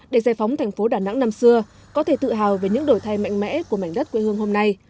để giải phóng thành phố đà nẵng năm xưa có thể tự hào về những đổi thay mạnh mẽ của mảnh đất quê hương hôm nay